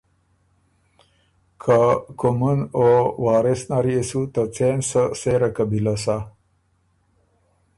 که کُومُن او وارث نر يې سو ته څېن سۀ سېره قبیلۀ سَۀ